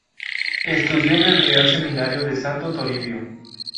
Estudió en el Real Seminario de Santo Toribio.